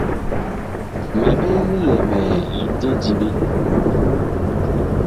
Ma ɓee lilɛmɛɛ je diɓe.